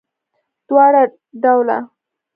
دواړه ډوله